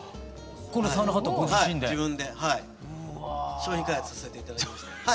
商品開発させて頂きました。